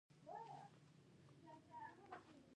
مقالې باید مخکې بل ځای نه وي خپرې شوې.